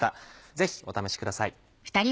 ぜひお試しください。